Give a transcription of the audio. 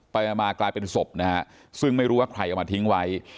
ไปมากลายเป็นศพนะฮะซึ่งไม่รู้ว่าใครเอามาทิ้งไว้